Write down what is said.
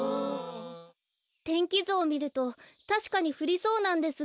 天気ずをみるとたしかにふりそうなんですが。